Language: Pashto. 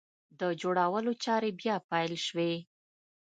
د جوړولو چارې بیا پیل شوې!